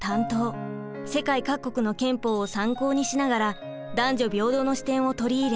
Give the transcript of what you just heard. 世界各国の憲法を参考にしながら男女平等の視点を取り入れ